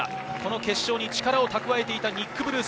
決勝に力を蓄えていたニック・ブルース。